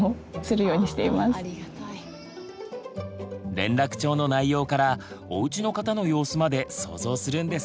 連絡帳の内容からおうちの方の様子まで想像するんですね。